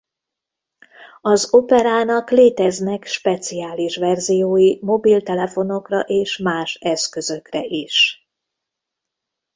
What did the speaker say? Az Operának léteznek speciális verziói mobiltelefonokra és más eszközökre is.